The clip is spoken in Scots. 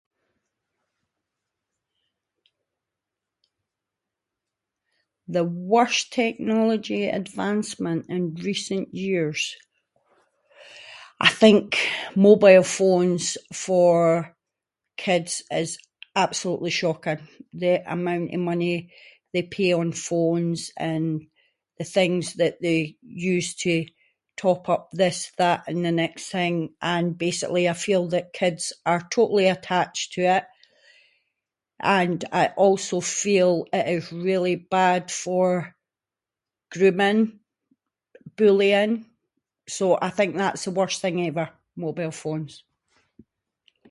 The worst technology advancement in recent years. I think mobile phones for kids is absolutely shocking, the amount of money they pay on phones and the things that they use to top up this, that, and the next thing. And basically I feel that kids are totally attached to it, and I also feel it is really bad for grooming, bullying, so I think that’s the worst thing ever, mobile phones.